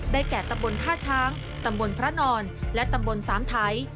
แก่ตำบลท่าช้างตำบลพระนอนและตำบลสามไทย